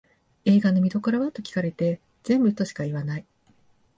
映画の見どころはと聞かれて全部としか言わない